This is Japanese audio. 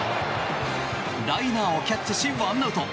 ライナーをキャッチし１アウト。